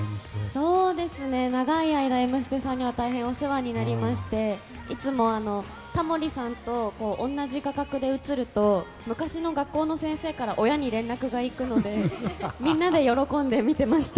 長い間「Ｍステ」さんには大変お世話になりましていつもタモリさんと同じ画角で映ると昔の学校の先生から親に連絡が行くのでみんなで喜んで、見ていました。